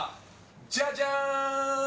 じゃじゃーん！